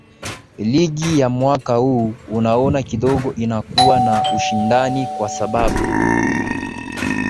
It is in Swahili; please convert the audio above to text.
ligi ya mwaka huu unaona kidogo inakuwa na ushindani kwa sababu